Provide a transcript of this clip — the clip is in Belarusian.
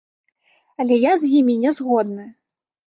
Але я з імі не згодны.